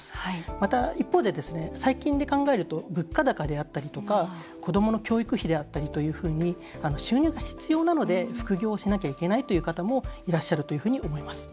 また一方で物価高であったりとか子どもの教育費であったり収入が必要なので副業しなければいけない方もいらっしゃるというふうに思います。